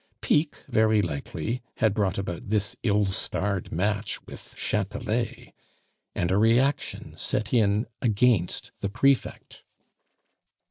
Pique, very likely, had brought about this ill starred match with Chatelet. And a reaction set in against the prefect.